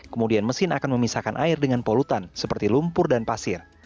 kemudian mesin akan memisahkan air dengan polutan seperti lumpur dan pasir